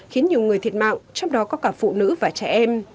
khiến nhiều người thiệt mạng trong đó có cả phụ nữ và trẻ em